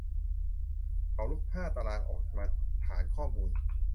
เขาลบห้าตารางออกมาฐานข้อมูล